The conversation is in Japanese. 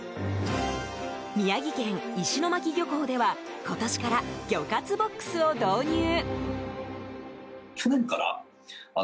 宮城県石巻漁港では今年から魚活ボックスを導入。